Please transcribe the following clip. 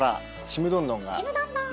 ちむどんどん！